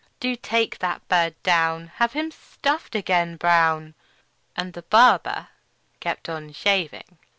Do take that bird down; Have him stuffed again, Brown!" And the barber kept on shaving.